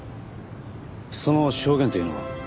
その証言というのは？